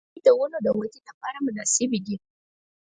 • غونډۍ د ونو د ودې لپاره مناسبې دي.